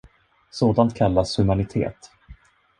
Sådant kallas humanitet.